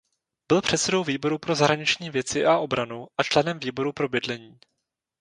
Byl předsedou výboru pro zahraniční věci a obranu a členem výboru pro bydlení.